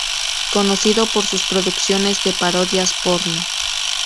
Conocido por sus producciones de parodias porno.